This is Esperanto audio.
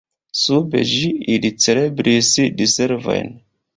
Sub ĝi ili celebris diservojn.